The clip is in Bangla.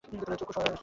চঞ্চু শক্তিশালী।